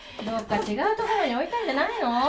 どっか違う所に置いたんじゃないの？